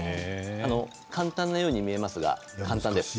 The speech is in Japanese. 簡単なように見えますが簡単です。